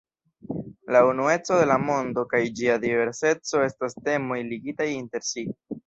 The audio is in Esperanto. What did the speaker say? La unueco de la mondo kaj ĝia diverseco estas temoj ligitaj inter si.